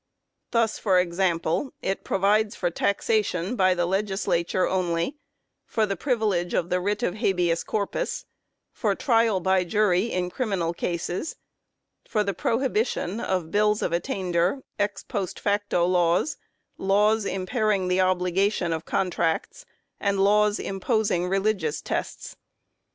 Thus, for example, it provides for taxation by the legislature only, for the privilege of the writ of habeas corpus, for trial by jury in criminal cases, for the prohibition of bills of attainder, ex post facto laws, laws impairing the obligation of contracts, and laws imposing religious tests.